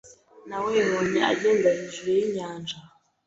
Nawebonye agenda hejuru yinyanja.